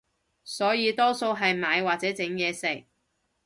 所以多數係買或者整嘢食